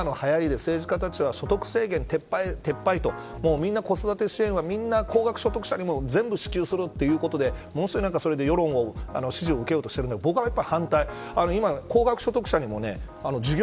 それからもう一つは今のはやりで政治家たちは、所得制限撤廃と子育て支援はみんな高額所得者にも全部支給することでそれで世論の支持を受けようとしてるんですが僕は反対。